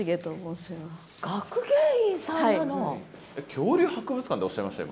恐竜博物館っておっしゃいました？